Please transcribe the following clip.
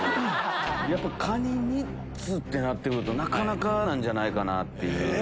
やっぱカニ３つってなってくるとなかなかなんじゃないかなって。